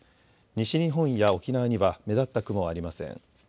西日本や沖縄には目立った雲はありません。